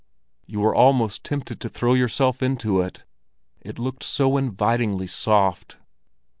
You were almost tempted to throw yourself into it, it looked so invitingly soft.